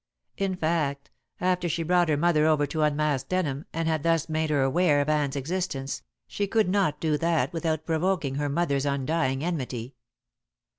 In fact, after she brought her mother over to unmask Denham, and had thus made her aware of Anne's existence, she could not do that without provoking her mother's undying enmity.